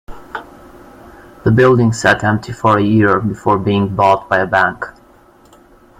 The building sat empty for a year before being bought by a bank.